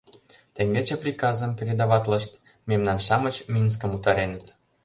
Теҥгече приказым передаватлышт — мемнан-шамыч Минскым утареныт.